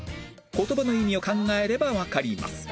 言葉の意味を考えればわかります